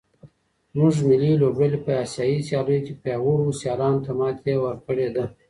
زموږ ملي لوبډلې په اسیايي سیالیو کې پیاوړو سیالانو ته ماتې ورکړې ده.